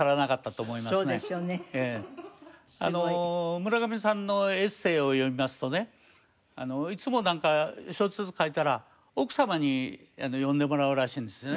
村上さんのエッセーを読みますとねいつもなんか小説書いたら奥様に読んでもらうらしいんですよね。